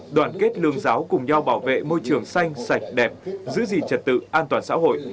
đoàn kết lương giáo cùng nhau bảo vệ môi trường xanh sạch đẹp giữ gìn trật tự an toàn xã hội